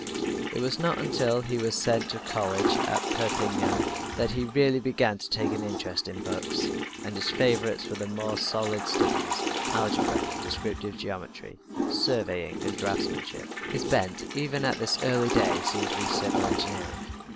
It was not until he was sent to college at Perpignan, that he really began to take an interest in books, and his favorites were the more solid studies algebra, descriptive geometry, surveying, and draftsmanship. His bent even at this early day seemed to be civil engineering.